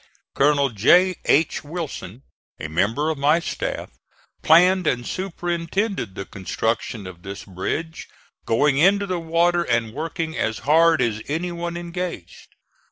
Colonel J. H. Wilson, a member of my staff, planned and superintended the construction of this bridge, going into the water and working as hard as any one engaged.